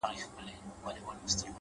o پر مخ وريځ ـ